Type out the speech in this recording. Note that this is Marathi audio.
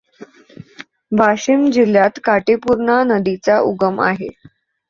वाशीम जिल्ह्यात काटेपूर्णा नदीचा उगम आहे.